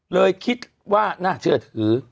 เลยคิดว่าน่าเชื่อถือ